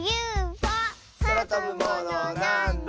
「そらとぶものなんだ？」